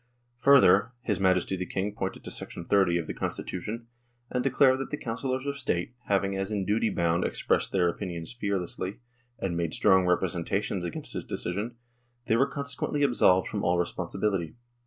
Further, his Majesty the King pointed to 30 of the Constitution, and declared that the Councillors of State, having as in duty bound " ex pressed their opinions fearlessly," and made " strong representations " against his decision, they were con sequently absolved from all responsibility.